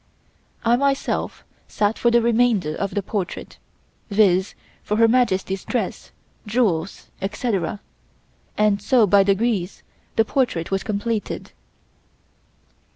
I myself sat for the remainder of the portrait, viz.: for Her Majesty's dress, jewels, etc., and so by degrees the portrait was completed.